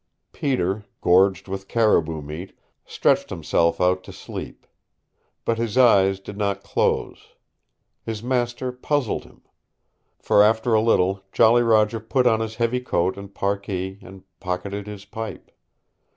Peter, gorged with caribou meat, stretched himself out to sleep. But his eyes did not close. His master puzzled him. For after a little Jolly Roger put on his heavy coat and parkee and pocketed his pipe.